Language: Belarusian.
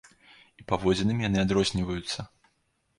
І паводзінамі яны адрозніваюцца.